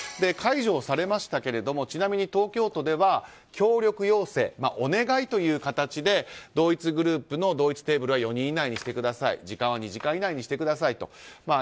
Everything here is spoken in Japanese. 解除されましたけどもちなみに東京都は協力要請お願いという形で同一グループの同一テーブルは４人以内にしてください時間は２時間以内にしてくださいと。